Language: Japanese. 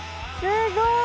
すごい！